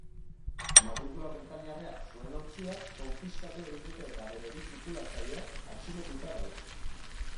Matrikula britaniarra zuen ontzia konfiskatu egin dute eta bere bi tripulatzaileak atxilotuta daude.